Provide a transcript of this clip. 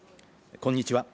こんにちは。